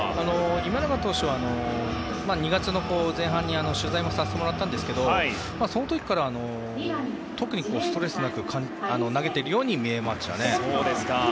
今永投手は、２月の前半に取材もさせてもらったんですがその時から特にストレスなく投げているように見えましたね。